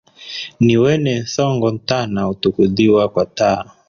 Niwene thongo ntana utukudhiwa kwa taa.